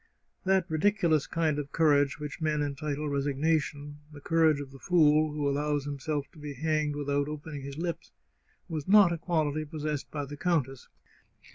That ridiculous kind of courage which men entitle resig nation— the courage of the fool, who allows himself to be hanged without opening his lips — was not a quality pos sessed by the countess.